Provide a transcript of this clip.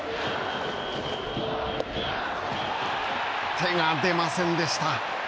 手が出ませんでした。